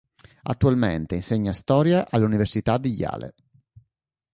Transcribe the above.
Attualmente insegna storia all'Università di Yale.